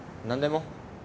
何でも。